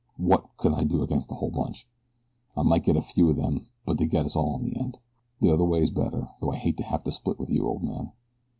what could I do against the whole bunch? I might get a few of them; but they'd get us all in the end. This other way is better, though I hate to have to split with you, old man."